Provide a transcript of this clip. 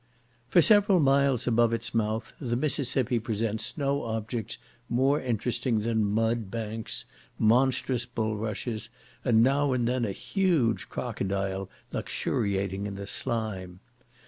For several miles above its mouth, the Mississippi presents no objects more interesting than mud banks, monstrous bulrushes, and now and then a huge crocodile luxuriating in the slime.